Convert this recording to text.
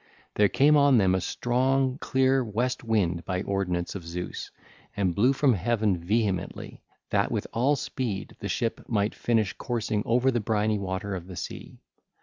There came on them a strong, clear west wind by ordinance of Zeus and blew from heaven vehemently, that with all speed the ship might finish coursing over the briny water of the sea.